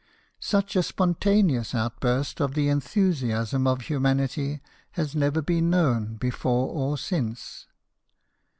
Such a spontaneous outburst of the enthusiasm of humanity has never been known, before or since.